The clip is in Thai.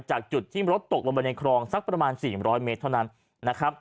จากจุดที่รถตกลงไปในคลองสักประมาณ๔๐๐เมตรเท่านั้นนะครับ